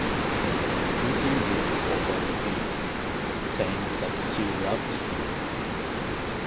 Beauty weeps over the Beast, saying that she loves him.